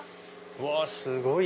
うわすごい！